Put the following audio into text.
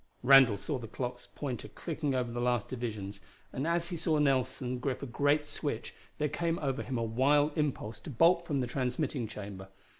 Randall saw the clock's pointer clicking over the last divisions, and as he saw Nelson grip a great switch there came over him a wild impulse to bolt from the transmitting chamber.